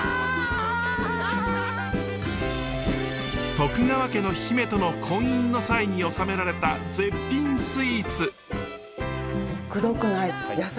徳川家の姫との婚姻の際に納められた絶品スイーツ。